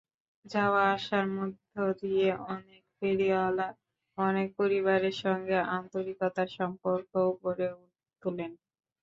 যাওয়া-আসার মধ্য দিয়ে অনেক ফেরিওয়ালা অনেক পরিবারের সঙ্গে আন্তরিকতার সম্পর্কও গড়ে তোলেন।